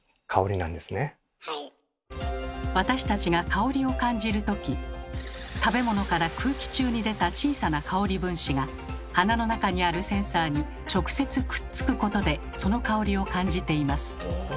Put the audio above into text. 私たちが香りを感じるとき食べ物から空気中に出た小さな香り分子が鼻の中にあるセンサーに直接くっつくことでその香りを感じています。